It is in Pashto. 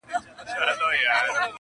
ستا په غېږ کي دوه ګلابه خزانېږي,